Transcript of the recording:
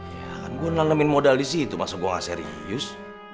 ya kan gua nalemin modal disitu masa gua gak serius